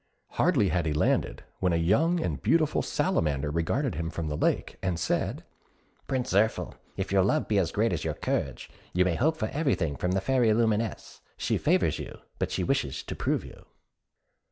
Hardly had he landed, when a young and beautiful Salamander emerged from the lake, and said, "Prince Zirphil, if your love be as great as your courage, you may hope for everything from the Fairy Lumineuse; she favours you, but she wishes to prove you."